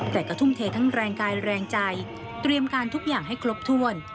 แต่ก็ทุ่มเททั้งแรงกายแรงใจเตรียมการทุกอย่างให้ครบถ้วน